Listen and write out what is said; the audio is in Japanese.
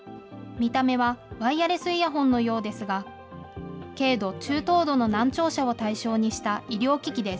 見た目はワイヤレスイヤホンのようですが、軽度・中等度の難聴者を対象にした医療機器です。